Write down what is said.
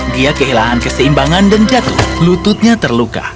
dia kehilangan keseimbangan dan jatuh lututnya terluka